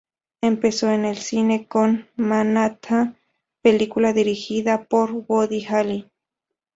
Empezó en el cine con "Manhattan", película dirigida por Woody Allen.